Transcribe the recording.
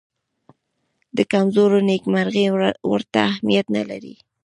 د کمزورو نېکمرغي ورته اهمیت نه لري.